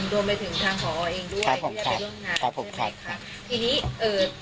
โดยไม่ถึงครั้งภอว์เองด้วยพวกความขอด